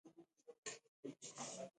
مچان ډېر تند الوزي